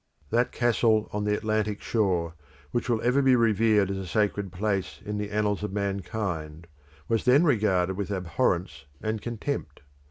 That castle on the Atlantic shore, which will ever be revered as a sacred place in the annals of mankind, was then regarded with abhorrence and contempt.